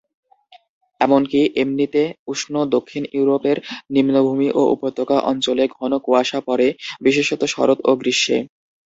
এমনকি এমনিতে উষ্ণ দক্ষিণ ইউরোপের নিম্নভূমি ও উপত্যকা অঞ্চলে ঘন কুয়াশা পড়ে, বিশেষত শরৎ ও গ্রীষ্মে।